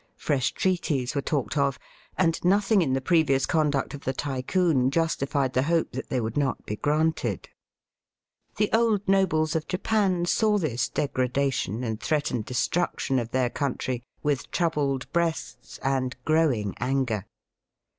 Fresh treaties were talked of, and nothing in the previous conduct of the Tycoon justified the hope that they would not be granted. The old nobles of Japan saw this degrada tion and threatened destruction of their country with troubled breasts and growing anger.